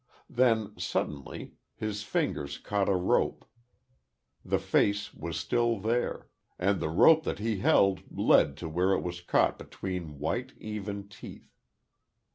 Then, suddenly, his fingers caught a rope; the face was still there; and the rope that he held led to where it was caught between white, even teeth.